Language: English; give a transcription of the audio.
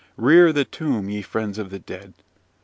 Rear the tomb, ye friends of the dead.